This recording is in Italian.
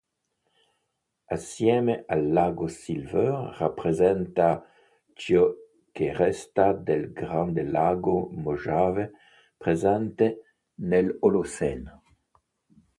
Assieme al lago Silver rappresenta ciò che resta del grande lago Mojave presente nell'Olocene.